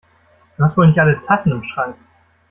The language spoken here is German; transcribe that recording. Du hast wohl nicht alle Tassen im Schrank!